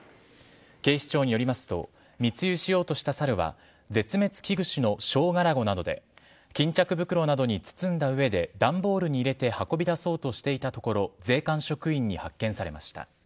警視庁によりますと密輸しようとしたサルは絶滅危惧種のショウガラゴなどで巾着袋などに包んだ上で段ボールに入れて運び出そうとしていたところ税関職員に発見されました。